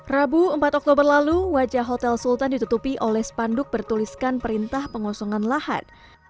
rabu empat oktober lalu wajah hotel sultan ditutupi oleh spanduk bertuliskan perintah pengosongan lahan